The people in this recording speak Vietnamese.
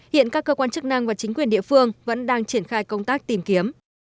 hiện các cơ quan chức năng và chính quyền địa phương vẫn đang triển khai công tác tìm kiếm